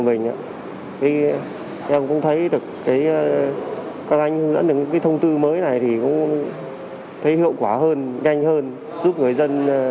em thấy tiện hơn ạ